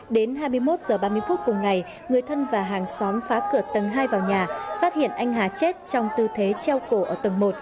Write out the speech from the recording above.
đến hai mươi một h ba mươi phút cùng ngày người thân và hàng xóm phá cửa tầng hai vào nhà phát hiện anh hà chết trong tư thế treo cổ ở tầng một